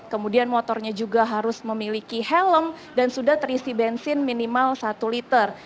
kemudian motornya juga harus memiliki helm dan sudah terisi bensin minimal satu liter